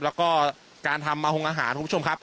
แล้วก็การทำอาหงอาหารคุณผู้ชมครับ